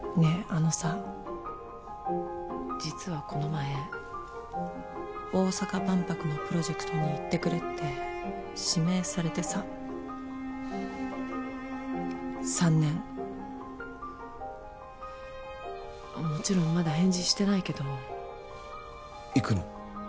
あのさ実はこの前大阪万博のプロジェクトに行ってくれって指名されてさ３年もちろんまだ返事してないけど行くの？